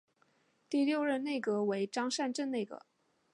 第六任内阁为张善政内阁。